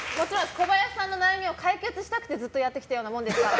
小林さんの悩みを解決したくてずっとやってきたようなものですから。